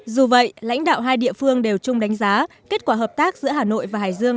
dù vậy lãnh đạo hai địa phương đều chung đánh giá kết quả hợp tác giữa hà nội và hải dương